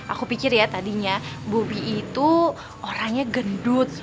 aku pikir ya tadinya bobi itu orangnya gendut